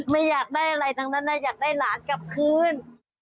ไม่อยากได้อะไรทั้งนั้นนะอยากได้หลานกลับคืน